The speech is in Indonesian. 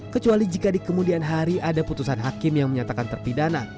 kecuali jika di kemudian hari ada putusan hakim yang menyatakan terpidana